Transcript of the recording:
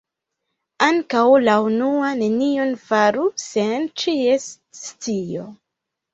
Ankaŭ la unua nenion faru sen ĉies scio.